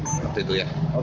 seperti itu ya